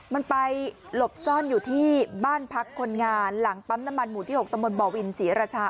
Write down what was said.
มันไปหลบซ่อนอยู่ที่บ้านพักคนงานหลังปั๊มน้ำมันหมู่ที่๖ตำบลบ่อวินศรีราชา